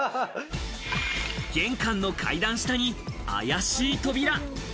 玄関の階段下にあやしい扉。